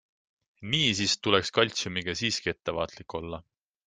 Niisiis tuleks kaltsiumiga siiski ettevaatlik olla.